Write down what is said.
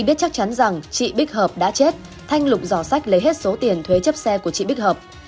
biết chắc chắn rằng chị bích hợp đã chết thanh lục giỏ sách lấy hết số tiền thuế chấp xe của chị bích hợp